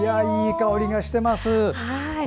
いい香りがしています。